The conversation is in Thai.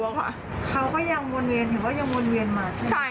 เขาก็ยังวนเวียนอยู่ก็ยังวนเวียนมาใช่ไหม